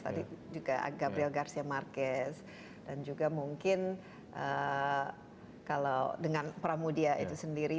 tadi juga agak brilgarsia marquez dan juga mungkin kalau dengan pramudia itu sendiri